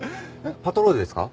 パトロールですか？